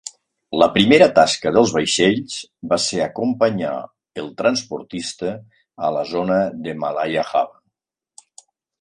La primera tasca dels vaixells va ser acompanyar el transportista a la zona de Malaya-Java.